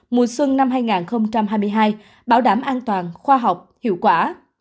mùa xuân năm hai nghìn hai mươi hai bảo đảm an toàn khoa học hiệu quả